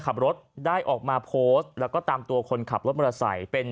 ขับรถได้ออกมาโพสต์แล้วก็ตามตัวคนขับรถมอเตอร์ไซค์เป็น